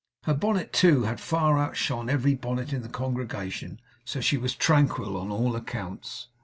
Her bonnet, too, had far outshone every bonnet in the congregation; so she was tranquil on all accounts.